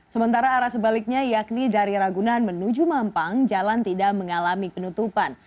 sementara arah sebaliknya yakni dari ragunan menuju mampang jalan tidak mengalami penutupan